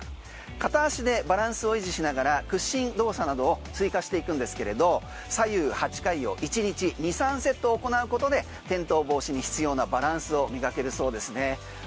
片足でバランスを維持しながら屈伸動作などを追加していくんですけれど左右８回を１日２３セット行うことで転倒防止に必要なバランスを身に着けられるそうです。